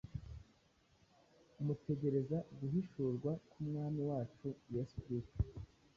mutegereza guhishurwa k’Umwami wacu Yesu Kristo.